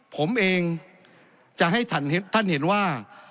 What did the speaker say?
ผมเองจะให้ท่านเห็นว่า